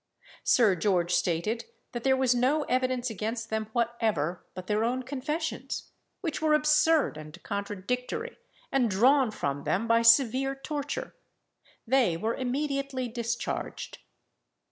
Sir George stated that there was no evidence against them whatever but their own confessions, which were absurd and contradictory, and drawn from them by severe torture. They were immediately discharged.